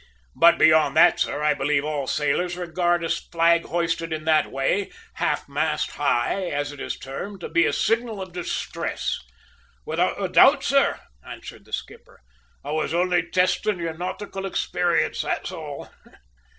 But, beyond that, sir, I believe all sailors regard a flag hoisted in that way, `half mast high,' as it is termed, to be a signal of distress! "Without doubt, sir," answered the skipper. "I was only testing your nautical experience, that's all!"